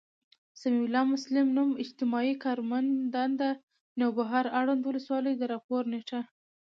سمیع الله مسلم، نـــوم، اجتماعي کارمنددنــده، نوبهار، اړونــد ولسـوالـۍ، د راپــور نیــټه